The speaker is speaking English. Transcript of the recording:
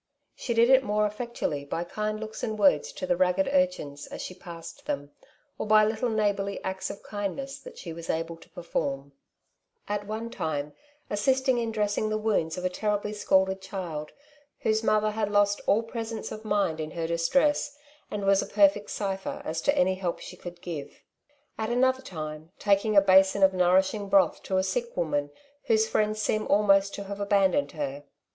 She did it more eflfectually by kind looks and words to the ragged urchins as she passed them, or by little neighbourly acts of kindness that she was able to perform ; at one time assist ing in dressing the wounds of a terribly scalded child, whose mother had lost all presence of mind in her distress, and was a perfect cipher as to any help she could give; at another time taking a basin of nourishing broth to a sick woman, whose friends seemed almost to have abandoned her.